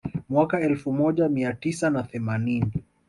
Mwaka wa elfu moja mia tisa na themanini